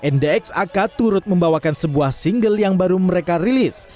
ndxak turut membawakan sebuah single yang baru mereka rilis